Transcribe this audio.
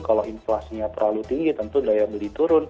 kalau inflasinya terlalu tinggi tentu daya beli turun